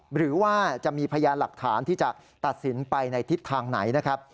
หรือว่าจะมีพยานหลักฐานที่จะตัดสินไปในทิศทางไหนนะครับ